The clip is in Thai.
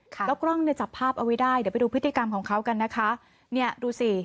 แล้วกล้องเนี่ยจับภาพเอาไว้ได้เดี๋ยวไปดูพฤติกรรมของเขากันนะคะเนี่ยดูสิ